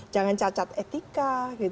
jangan cacat etika